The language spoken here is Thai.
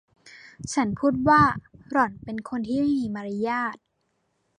ฉันพูดว่า”หล่อนเป็นคนที่ไม่มีมารยาท”